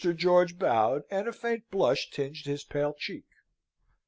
George bowed, and a faint blush tinged his pale cheek.